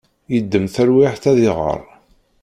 Yeddem talwiḥt ad iɣer.